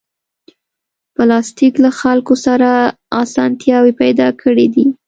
پلاستيک له خلکو سره اسانتیاوې پیدا کړې دي.